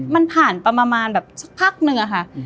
มันผ่านประมาณแบบสักพักนึงอะค่ะ